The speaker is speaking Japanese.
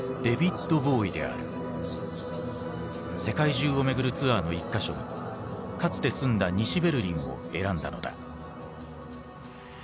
世界中を巡るツアーの一か所にかつて住んだ西ベルリンを選んだのだ。